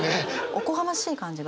おこがましい感じが。